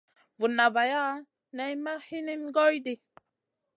Vunna vaya nay ma hinim goy ɗi.